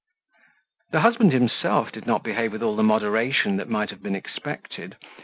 The husband himself did not behave with all the moderation that might have been expected.